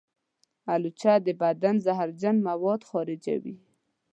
الوچه د بدن زهرجن مواد خارجوي.